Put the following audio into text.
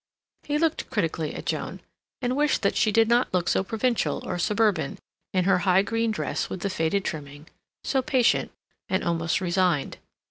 He looked critically at Joan, and wished that she did not look so provincial or suburban in her high green dress with the faded trimming, so patient, and almost resigned.